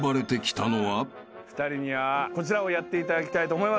２人にはこちらをやっていただきたいと思います。